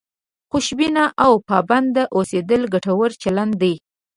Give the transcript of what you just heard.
خوشبین او پابند اوسېدل ګټور چلند دی.